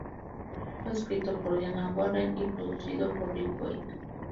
Fue escrito por Diane Warren y producido por Ric Wake.